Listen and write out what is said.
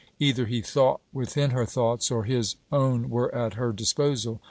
Either he thought within her thoughts, or his own were at her disposal.